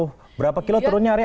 tuh berapa kilo turunnya arya